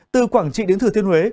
từ quảng trị đến thừa thiên huế